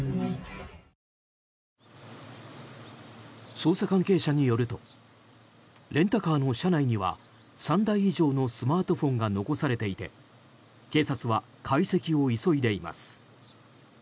捜査関係者によるとレンタカーの車内には３台以上のスマートフォンが残されていて警察は解析を急いでいます。